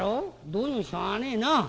どうにもしょうがねえな。